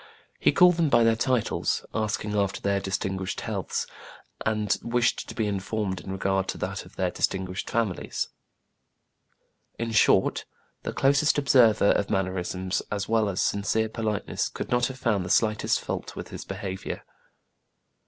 He called them by their titles, asked after their "distinguished healths,'* and wished to be informed in regard to that of their "distinguished families." In short, the closest observer of mannerisms as well as sincere politeness could not have found the slightest fault with his behavior.